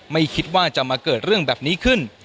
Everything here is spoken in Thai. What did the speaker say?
ไม่คิดว่าจะมาเกิดเรื่องแบบนี้ขึ้น